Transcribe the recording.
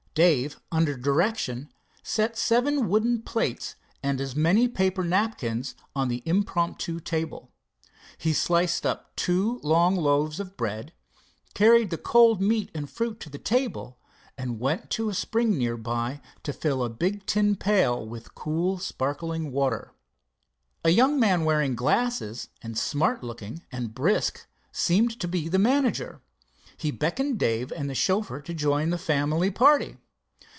Dave under direction set seven wooden plates and as many paper napkins on the impromptu table. He sliced up two long loaves of bread, carried the cold meat and fruit to the table, and went to a spring nearby to fill a big tin pail with cool, sparkling water. A young man wearing glasses, and smart looking and brisk, seemed to be the manager. He beckoned Dave and the chauffeur to join the family party.